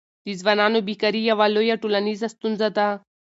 د ځوانانو بېکاري یوه لویه ټولنیزه ستونزه ده.